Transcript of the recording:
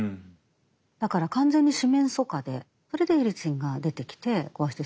だから完全に四面楚歌でそれでエリツィンが出てきて壊してしまったと。